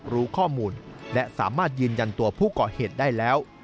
รู้ข้อมูลและสามารถยืนยันตัวผู้ก่อเหตุได้แล้ว